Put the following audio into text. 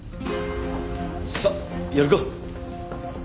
さあやるか。